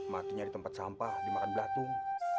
mati nyari tempat sampah dimakan belatung